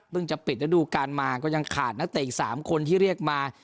เพิ่งจะปิดแล้วดูกันมาก็ยังขาดนักเตะอีกสามคนที่เรียกมา